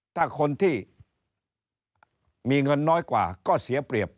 ถ้าคนที่มีเงินน้อยกว่าก็เสียเปรียบ